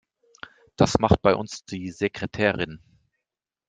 Das macht bei uns die Sekretärin.